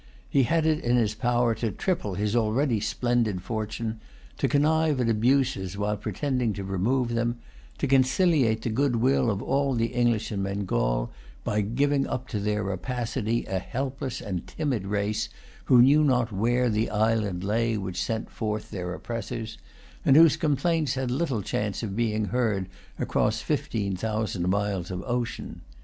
He had it in his power to triple his already splendid fortune; to connive at abuses while pretending to remove them; to conciliate the goodwill of all the English in Bengal, by giving up to their rapacity a helpless and timid race, who knew not where lay the island which sent forth their oppressors, and whose complaints had little chance of being heard across fifteen thousand miles of ocean.